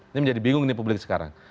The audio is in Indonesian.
ini menjadi bingung ini publik sekarang